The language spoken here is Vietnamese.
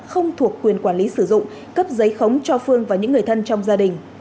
không thuộc quyền quản lý sử dụng cấp giấy khống cho phương và những người thân trong gia đình